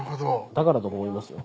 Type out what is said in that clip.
だからと思いますよ。